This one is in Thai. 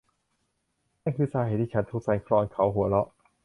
นั่นคือสาเหตุที่ฉันถูกสั่นคลอนเขาหัวเราะ